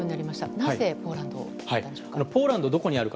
なぜポーランドなんでしょうか。